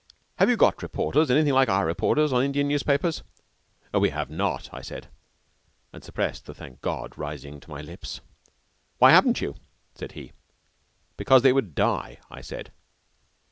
"Have you got reporters anything like our reporters on Indian newspapers?" "We have not," I said, and suppressed the "thank God" rising to my lips. "Why haven't you?" said he. "Because they would die," I said.